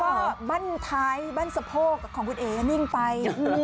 เพราะว่าบ้านท้ายบ้านสะโพกของคุณเอ๋งิ่งไป